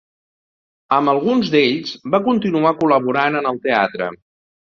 Amb alguns d'ells va continuar col·laborant en el teatre.